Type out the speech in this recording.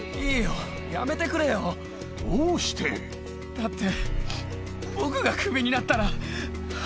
だって。